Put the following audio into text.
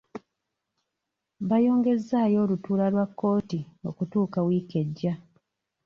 Bayongezzaayo olutuula lwa kkooti okutuuka wiiki ejja.